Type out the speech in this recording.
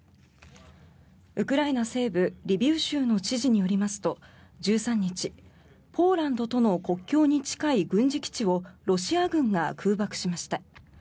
ウクライナ西部リビウ州の知事によりますと、１３日ポーランドとの国境に近い軍事基地をロシア軍が空爆しました。